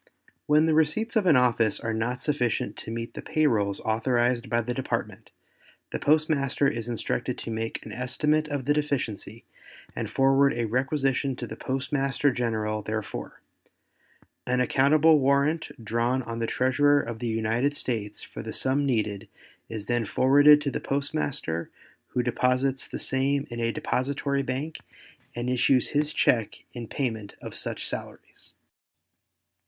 When the receipts of an office are not sufficient to meet the pay rolls authorized by the Department, the postmaster is instructed to make an estimate of the deficiency and forward a requisition to the Postmaster General therefor. An accountable warrant drawn on the Treasurer of the United States for the sum needed is then forwarded to the postmaster who deposits the same in a depository bank and issues his check in payment of such salaries.